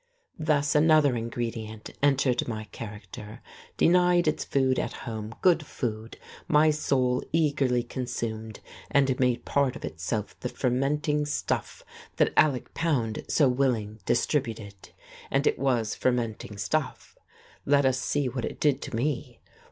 Thus another ingredient entered my character. Denied its food at home, good food, my soul eagerly consumed and made part of itself the fermenting stuff that Alec Pound so willing distributed. And it was fermenting stuff. Let us see what it did to me.